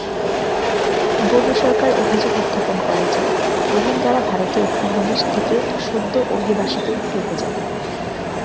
বর্মি সরকার অভিযোগ উত্থাপন করে যে, রোহিঙ্গ্যারা ভারতীয় উপমহাদেশ থেকে সদ্য অভিবাসিত একটি উপজাতি।